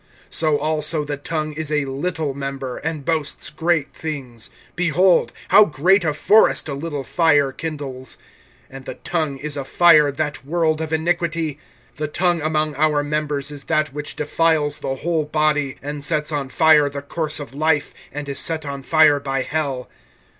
(5)So also the tongue is a little member, and boasts great things. Behold, how great a forest a little fire kindles! (6)And the tongue is a fire, that world of iniquity! The tongue among our members is that which defiles the whole body, and sets on fire the course of life, and is set on fire by hell.